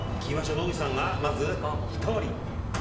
野口さんがまず１人。